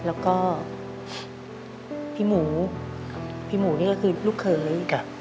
แล้วก็พี่หมูพี่หมูนี่ก็คือลูกเขย